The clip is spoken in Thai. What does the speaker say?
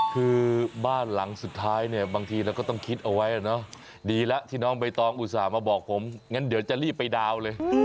คือบ้านหลังสุดท้ายเนี่ยบางทีเราก็ต้องคิดเอาไว้เนอะดีแล้วที่น้องใบตองอุตส่าห์มาบอกผมงั้นเดี๋ยวจะรีบไปดาวน์เลย